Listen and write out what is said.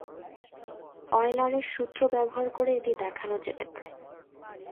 অয়লারের সূত্র ব্যবহার করে এটি দেখানো যেতে পারে।